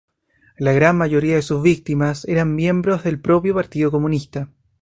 La gran mayoría de sus víctimas eran miembros del propio partido comunista.